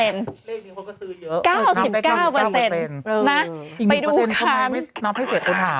๙๙นะไปดูคำ